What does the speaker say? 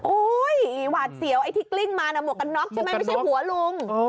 หวาดเสียวไอ้ที่กลิ้งมาน่ะหมวกกันน็อกใช่ไหมไม่ใช่หัวลุง